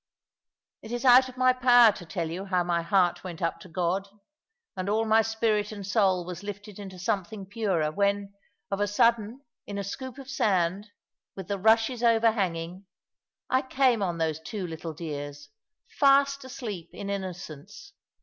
It is out of my power to tell you how my heart went up to God, and all my spirit and soul was lifted into something purer, when of a sudden, in a scoop of sand, with the rushes overhanging, I came on those two little dears, fast asleep in innocence.